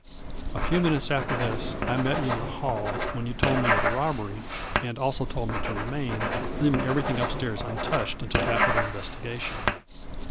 A few minutes after this I met you in the hall, when you told me of the robbery, and also told me to remain, leaving everything up stairs untouched until after the investigation.